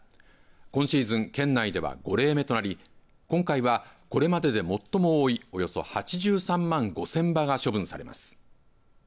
今シーズン県内では５例目となり今回は、これまでで最も多いおよそ８３万５０００羽が処分されます。